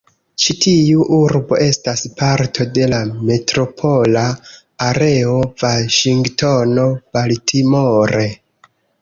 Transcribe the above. Ĉi-tiu urbo estas parto de la "Metropola Areo Vaŝingtono-Baltimore".